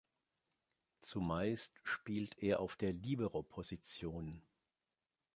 Zumeist spielt er auf der Liberoposition.